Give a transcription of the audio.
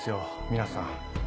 皆さん。